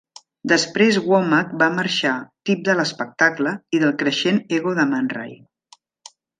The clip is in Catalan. Després Womack va marxar, tip de l'espectacle i del creixent ego de Manray.